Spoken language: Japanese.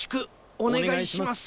おねがいします。